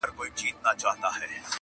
بس که نیکه دا د جنګونو کیسې،!